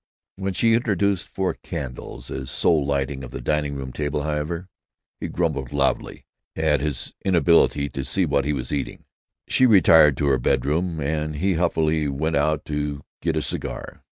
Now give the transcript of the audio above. When she introduced four candles as sole lighting of the dining room table, however, he grumbled loudly at his inability to see what he was eating. She retired to her bedroom, and he huffily went out to get a cigar.